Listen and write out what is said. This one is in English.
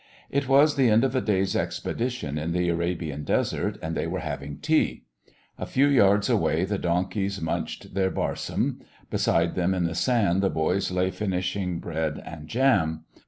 It was the end of a day's expedition in the Arabian Desert, and they were having tea. A few yards away the donkeys munched their barsim; beside them in the sand the boys lay finishing bread and jam.